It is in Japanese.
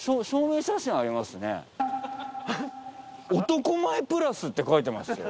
男前プラスって書いてますよ。